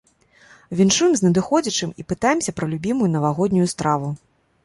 Віншуем з надыходзячым і пытаемся пра любімую навагоднюю страву.